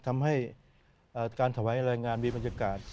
ทำให้การถวายรายงานมีบรรยากาศ